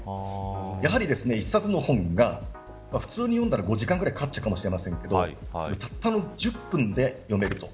やはり１冊の本が普通に読んだら５時間ぐらいかかるかもしれませんがたったの１０分で読めると。